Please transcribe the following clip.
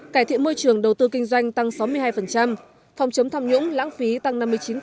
cải thiện môi trường đầu tư kinh doanh tăng sáu mươi hai phòng chống tham nhũng lãng phí tăng năm mươi chín